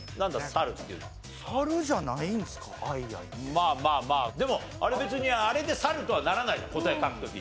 まあまあまあでもあれ別にあれでサルとはならないじゃん答え書く時。